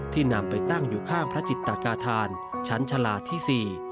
นำไปตั้งอยู่ข้างพระจิตกาธานชั้นชาลาที่๔